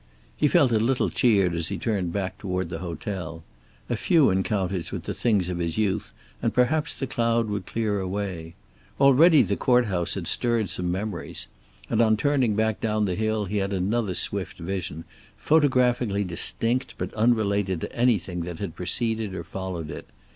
He felt a little cheered as he turned back toward the hotel. A few encounters with the things of his youth, and perhaps the cloud would clear away. Already the court house had stirred some memories. And on turning back down the hill he had another swift vision, photographically distinct but unrelated to anything that had preceded or followed it.